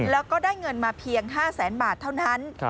แล้วก็ได้เงินมาเพียง๕แสนบาทเท่านั้น